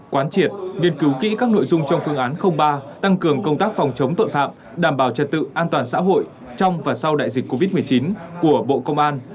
quán triệt nghiên cứu kỹ các nội dung trong phương án ba tăng cường công tác phòng chống tội phạm đảm bảo trật tự an toàn xã hội trong và sau đại dịch covid một mươi chín của bộ công an